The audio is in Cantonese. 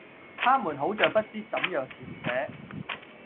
她們好像不知怎樣填寫